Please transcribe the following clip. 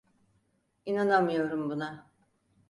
İnanamıyorum buna.